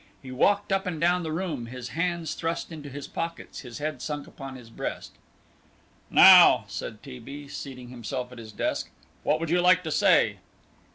He walked up and down the room, his hands thrust into his pockets, his head sunk upon his breast. "Now," said T. B., seating himself at his desk, "what would you like to say?"